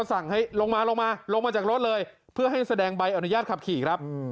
สั่งให้ลงมาลงมาลงมาลงมาจากรถเลยเพื่อให้แสดงใบอนุญาตขับขี่ครับ